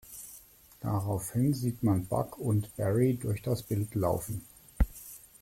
Daraufhin sieht man Buck und Berry durch das Bild laufen.